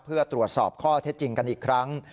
เพื่อตรวจสอบข้อเท็จจริงกันอีกครั้ง